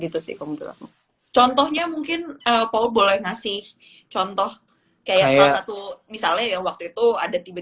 gitu sih kalau contohnya mungkin apa boleh ngasih contoh kayak satu misalnya yang waktu itu ada tiba